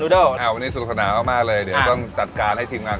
นูดเดิลอ่าวันนี้สุขภาพมากมากเลยเดี๋ยวเราต้องจัดการให้ทีมมา